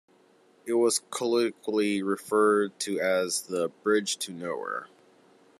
It was colloquially referred to as "The Bridge to Nowhere".